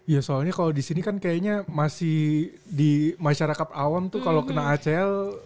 ya soalnya kalo disini kan kayaknya masih di masyarakat awam tuh kalo kena acl